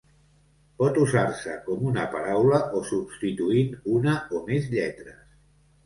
Pot usar-se com una paraula o substituint una o més lletres.